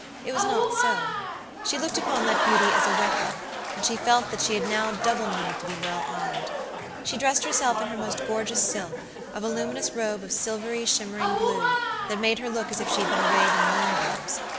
It was not so; she looked upon that beauty as a weapon, and she felt that she had now double need to be well armed. She dressed herself in her most gorgeous silk, a voluminous robe of silvery, shimmering blue, that made her look as if she had been arrayed in moonbeams.